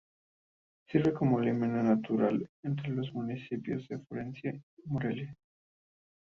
Sirve como límite natural entre los municipios de Florencia y Morelia.